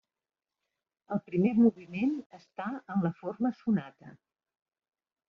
El primer moviment està en la forma sonata.